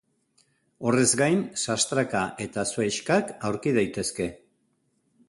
Horrez gain, sastraka eta zuhaixkak aurki daitezke.